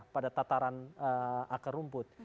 pada tataran akar rumput